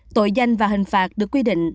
tội danh và hình phạt được quy định